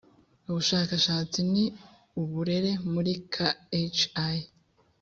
ubushakashatsi n uburere muri khi